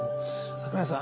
桜井さん